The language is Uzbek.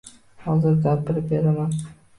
Hozir gapirib beraman.